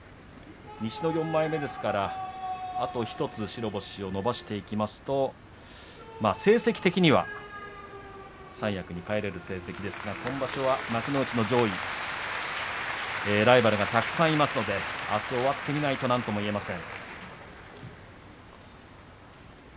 西の４枚目ですから、あと１つ白星を伸ばしていきますと成績的には三役に返れる成績ですが今場所は幕内の上位ライバルがたくさんいますのであす終わってみないとなんとも言えません。